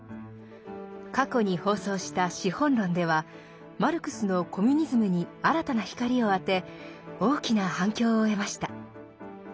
過去に放送した「資本論」ではマルクスのコミュニズムに新たな光を当て大きな反響を得ました。